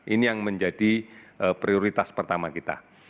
ini yang menjadi prioritas pertama kita